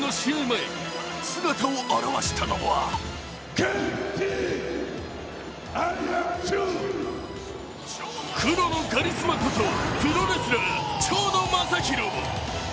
前、姿を現したのは、黒のカリスマこと、プロレスラー蝶野正洋。